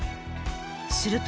すると。